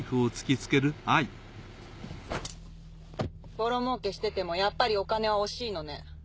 ボロ儲けしててもやっぱりお金は惜しいのね。